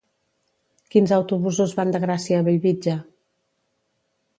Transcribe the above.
Quins autobusos van de Gràcia a Bellvitge?